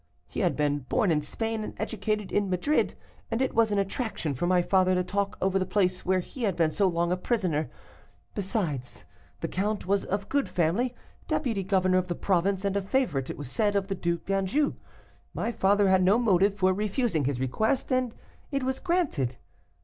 He had been born in Spain and educated at Madrid, and it was an attraction for my father to talk over the place where he had been so long a prisoner. Besides, the count was of good family, deputy governor of the province, and a favorite, it was said, of the Due d'Anjou; my father had no motive for refusing his request, and it was granted.